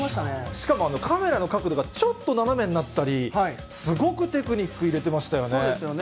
しかもカメラの角度がちょっと斜めになったり、すごくテクニそうですよね。